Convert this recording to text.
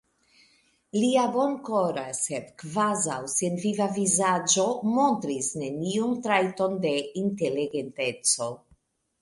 Lia bonkora, sed kvazaŭ senviva vizaĝo montris neniun trajton de inteligenteco.